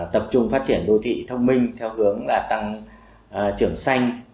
tập trung phát triển đô thị thông minh theo hướng là tăng trưởng xanh